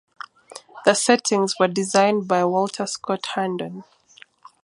The settings were designed by Walter Scott Herndon.